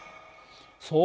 そう。